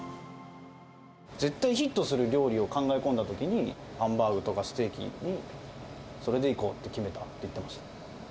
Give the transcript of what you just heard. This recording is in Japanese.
絶対ヒットする料理を考え込んだときに、ハンバーグとかステーキ、それでいこうと決めたと言っていました。